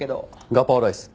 ガパオライス。